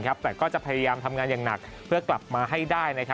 แต่ก็จะพยายามทำงานอย่างหนักเพื่อกลับมาให้ได้